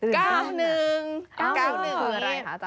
๙๑คืออะไรค่ะอาจารย์